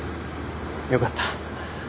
よかった。